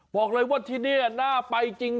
บอกเลยว่าที่นี่น่าไปจริง